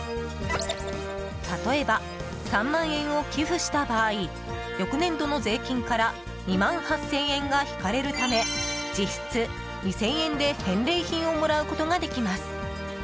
例えば、３万円を寄付した場合翌年度の税金から２万８０００円が引かれるため実質２０００円で返礼品をもらうことができます。